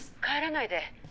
「帰らないで。